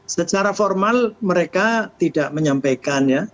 secara formal mereka tidak menyampaikan ya